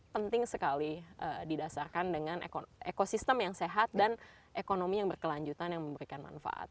penting sekali didasarkan dengan ekosistem yang sehat dan ekonomi yang berkelanjutan yang memberikan manfaat